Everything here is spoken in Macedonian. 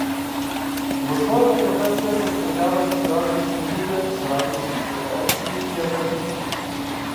Во својата професија се среќаваше со различни луѓе, со различни преференции и апетити.